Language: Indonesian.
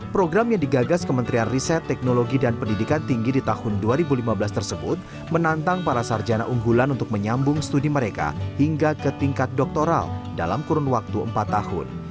program yang digagas kementerian riset teknologi dan pendidikan tinggi di tahun dua ribu lima belas tersebut menantang para sarjana unggulan untuk menyambung studi mereka hingga ke tingkat doktoral dalam kurun waktu empat tahun